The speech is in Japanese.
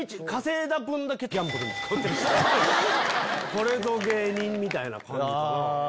これぞ芸人みたいな感じかな。